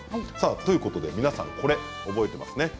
皆さん、これ覚えていますね。